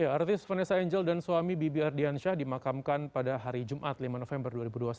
artis vanessa angel dan suami bibi ardiansyah dimakamkan pada hari jumat lima november dua ribu dua puluh satu